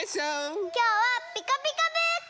きょうは「ピカピカブ！」から！